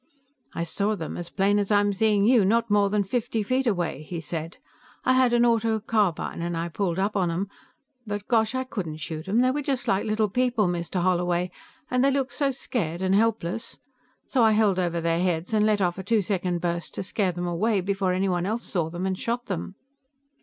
"I saw them as plain as I'm seeing you, not more than fifty feet away," he said. "I had an autocarbine, and I pulled up on them, but gosh, I couldn't shoot them. They were just like little people, Mr. Holloway, and they looked so scared and helpless. So I held over their heads and let off a two second burst to scare them away before anybody else saw them and shot them."